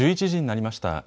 １１時になりました。